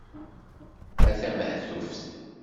A tamehtuft!